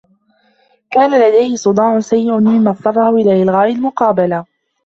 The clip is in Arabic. كان لديهِ صداع سيء مما اضطرهُ الى إلغاء المقابلة.